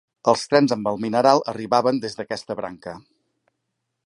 Els trens amb el mineral arribaven des d'aquesta branca.